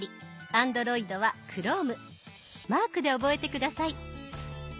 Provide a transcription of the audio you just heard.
マークで覚えて下さい。